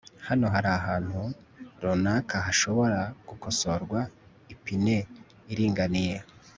hano hari ahantu runaka hashobora gukosorwa ipine iringaniye